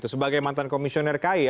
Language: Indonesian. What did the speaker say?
sebagai mantan komisioner kai ya